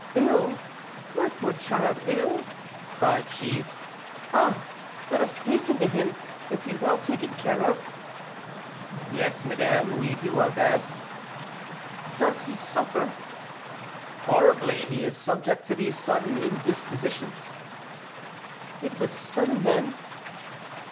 "Ill my poor child, ill!" cried she; "ah! let us hasten to him; is he well taken care of?" "Yes, madame, we do our best." "Does he suffer?" "Horribly, he is subject to these sudden indispositions." "It was sudden, then?"